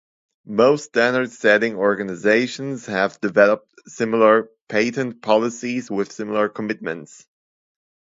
Most standard-setting organizations have developed similar patent policies with similar commitments.